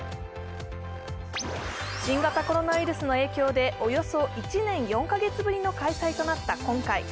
新型コロナウイルスの影響でおよそ１年４カ月ぶりの開催となった今回。